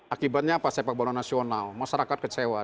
akibatnya apa sepak bola nasional masyarakat kecewa